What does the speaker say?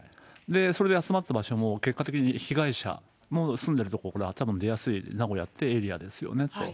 それで集まった場所も結果的に被害者の住んでるとこ、これ、多分出やすい名古屋ってエリアですよね。